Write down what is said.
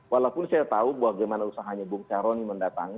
walaupun saya tahu bagaimana usahanya bung charo ini mendatangi